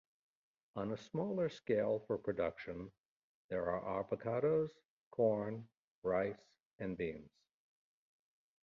On a smaller scale for production there are avocados, corn, rice and beans.